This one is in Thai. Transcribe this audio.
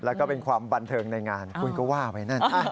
แล้วก็เป็นความบันเทิงในงานคุณก็ว่าไปนั่น